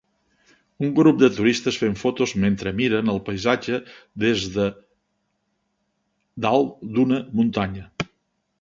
Un grup de turistes fent fotos mentre miren el paisatge des de dalt d'una muntanya.